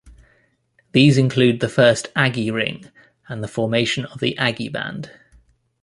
These include the first Aggie Ring and the formation of the Aggie Band.